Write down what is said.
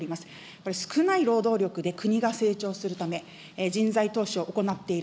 これ、少ない労働力で国が成長するため、人材投資を行っている。